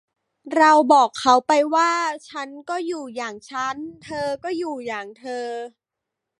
เราบอกเขาไปว่า ฉันก็อยู่อย่างฉัน เธอก็อยู่อย่างเธอ